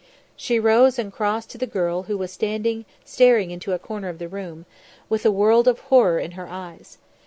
She rose and crossed to the girl who was standing staring into a corner of the room, with a world of horror in her eyes.